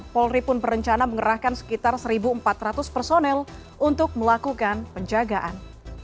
polri pun berencana mengerahkan sekitar satu empat ratus personel untuk melakukan penjagaan